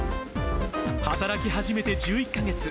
働き始めて１１か月。